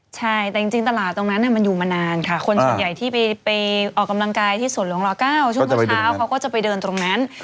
ใช่แต่จริงตลาดตรงนั้นมันอยู่มานานค่ะคนส่วนใหญ่ที่ไปออกกำลังกายที่สวนหลวงร๙ช่วงเช้าเขาก็จะไปเดินตรงนั้น